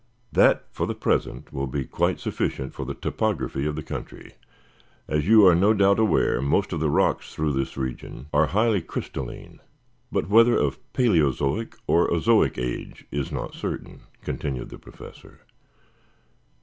That, for the present, will be quite sufficient for the topography of the country. As you are no doubt aware, most of the rocks through this region are highly crystalline, but whether of paleozoic or azoic age, is not certain," concluded the Professor.